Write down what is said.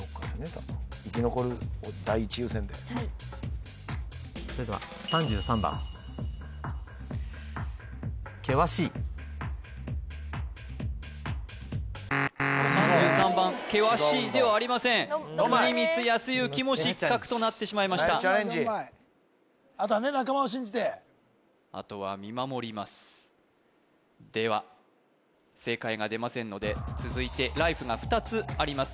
多分・はいそれでは３３番３３番けわしいではありません國光恭幸も失格となってしまいましたナイスチャレンジドンマイドンマイあとはね仲間を信じてあとは見守りますでは正解が出ませんので続いてライフが２つあります